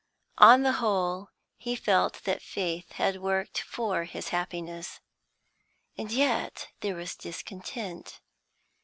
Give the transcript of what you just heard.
On the whole, he felt that fate had worked for his happiness. And yet there was discontent.